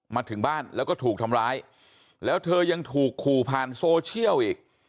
มาถึงบ้านแล้วก็ถูกทำร้ายแล้วเธอยังถูกขู่ผ่านโซเชียลอีก